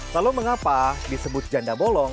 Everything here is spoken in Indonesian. lalu mengapa disebut janda bolong